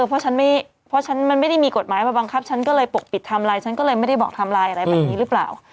เพราะฉันไม่เพราะฉันมันไม่ได้มีกฎหมายมาบังคับฉันก็เลยปกปิดไทม์ไลน์ฉันก็เลยไม่ได้บอกทำไลน์อะไรแบบนี้หรือเปล่า